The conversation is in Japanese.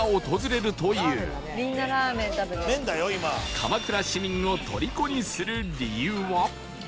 鎌倉市民を虜にする理由は